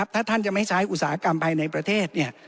ถ้าท่านจะไม่ใช้อุตสาหกรรมภายในประเทศ